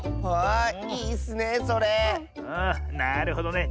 あなるほどね。